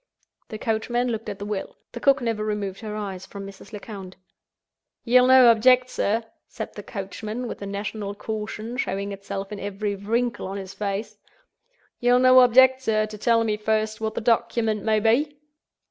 The coachman looked at the will. The cook never removed her eyes from Mrs. Lecount. "Ye'll no object, sir," said the coachman, with the national caution showing itself in every wrinkle on his face—"ye'll no object, sir, to tell me, first, what the Doecument may be?"